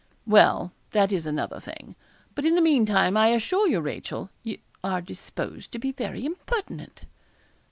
'Well, that is another thing; but in the meantime, I assure you, Rachel, you are disposed to be very impertinent.'